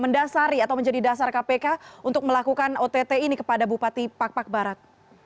mendasari atau menjadi dasar kpk untuk melakukan ott ini kepada bupati pak pak barat